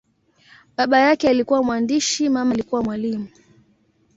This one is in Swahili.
Baba yake alikuwa mwandishi, mama alikuwa mwalimu.